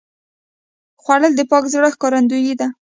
خوړل د پاک زړه ښکارندویي ده